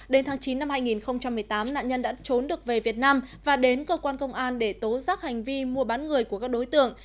đến tháng chín năm hai nghìn một mươi tám nạn nhân đã trốn được về việt nam và đến cơ quan công an để tố giác hành vi mua bán người của các đối tượng